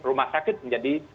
rumah sakit menjadi